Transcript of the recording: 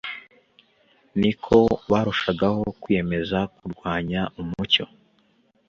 niko barushagaho kwiyemeza kurwanya umucyo.